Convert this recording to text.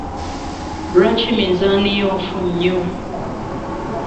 Lwaki minzaani yon fu nnyo?